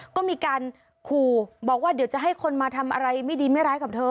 ก็มีการขู่บอกว่าเดี๋ยวจะให้คนมาทำอะไรไม่ดีไม่ร้ายกับเธอ